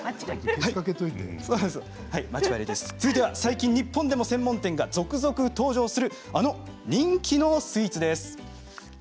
最近、日本でも専門店が続々、登場するあの人気のスイーツです。